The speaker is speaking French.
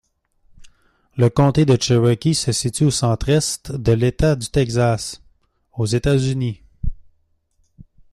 Le comté de Cherokee se situe au centre-est de l'État du Texas, aux États-Unis.